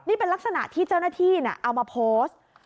นี่เป็นลักษณะที่เจ้าหน้าที่เอามาโพสต์